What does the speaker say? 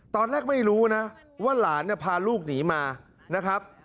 ตอนแรกไม่รู้นะว่าหลานเนี่ยพาลูกหนีมานะครับ